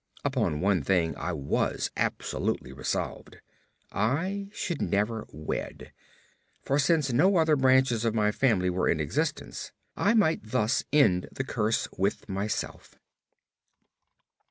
Upon one thing I was absolutely resolved. I should never wed, for since no other branches of my family were in existence, I might thus end the curse with myself.